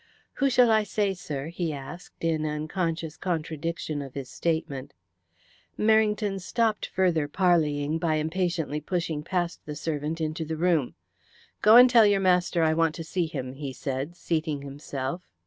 "Who shall I say, sir?" he asked, in unconscious contradiction of his statement. Merrington stopped further parleying by impatiently pushing past the servant into the room. "Go and tell your master I want to see him," he said, seating himself.